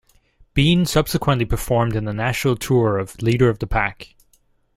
Bean subsequently performed in the national tour of "Leader of the Pack".